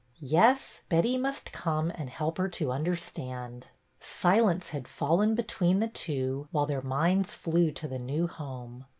Yes, Betty must come and help her to understand. Silence had fallen between the two, while their minds flew to the new home.